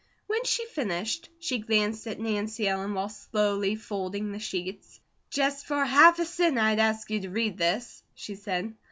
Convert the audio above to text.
When she finished, she glanced at Nancy Ellen while slowly folding the sheets. "Just for half a cent I'd ask you to read this," she said.